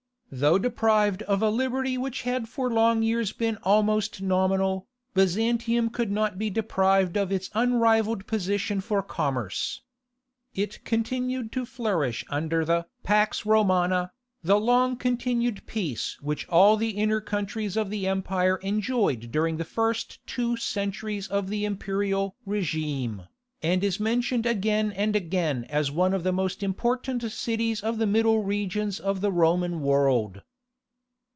Though deprived of a liberty which had for long years been almost nominal, Byzantium could not be deprived of its unrivalled position for commerce. It continued to flourish under the Pax Romana, the long continued peace which all the inner countries of the empire enjoyed during the first two centuries of the imperial régime, and is mentioned again and again as one of the most important cities of the middle regions of the Roman world.